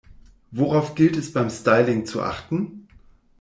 Worauf gilt es beim Styling zu achten?